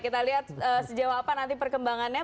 kita lihat sejauh apa nanti perkembangannya